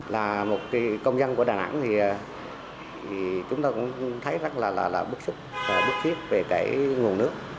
là một công dân của đà nẵng thì chúng ta cũng thấy rất là bức xúc bức xích về cái nguồn nước